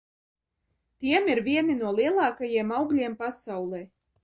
Tiem ir vieni no lielākajiem augļiem pasaulē.